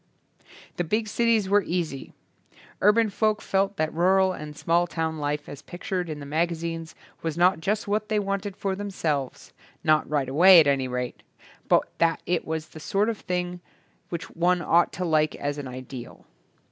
The big cities were easy. Urban folk felt that rural and small town life as pictured in the magazines was not just what they wanted for themselves — not right away at any rate — ^but that it was the sort of thing which one ought to like as an ideal.